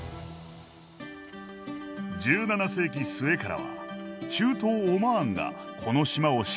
１７世紀末からは中東オマーンがこの島を支配した。